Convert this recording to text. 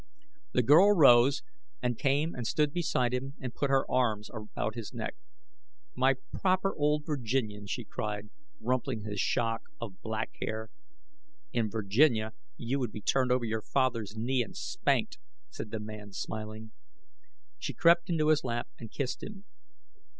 The girl rose, and came and stood beside him and put her arms about his neck. "My proper old Virginian," she cried, rumpling his shock of black hair. "In Virginia you would be turned over your father's knee and spanked," said the man, smiling. She crept into his lap and kissed him.